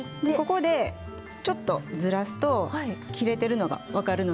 ここでちょっとずらすと切れてるのが分かるので。